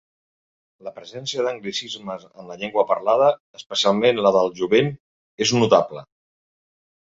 La presència d'anglicismes en la llengua parlada, especialment la del jovent, és notable.